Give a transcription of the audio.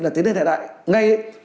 là tiến lên hệ đại ngay